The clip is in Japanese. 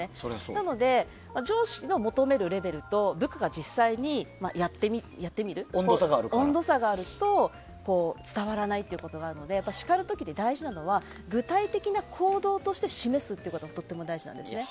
なので、上司の求めるレベルと部下が実際にやってみる温度差があると伝わらないということがあるので叱る時に大事なのは具体的な行動として示すということがとても大事なんですね。